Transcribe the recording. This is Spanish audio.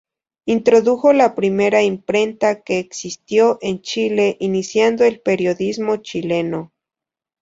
Introdujo la primera imprenta que existió en Chile iniciando el periodismo chileno.